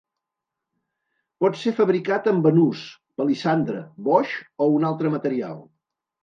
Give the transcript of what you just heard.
Pot ser fabricat amb banús, palissandre, boix o un altre material.